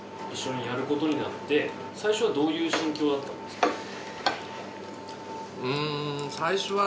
一緒にやることになって最初はどういう心境だったんですか。